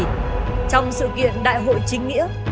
trong sự kiện đại hội chính nghĩa